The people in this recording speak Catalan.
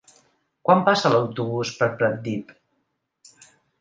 Quan passa l'autobús per Pratdip?